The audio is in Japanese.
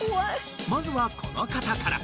まずはこの方から。